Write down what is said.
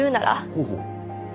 ほうほう。